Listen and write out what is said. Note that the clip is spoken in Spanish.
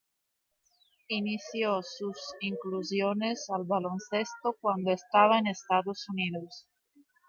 Inició sus inclusiones al baloncesto cuando estaba en Estados Unidos.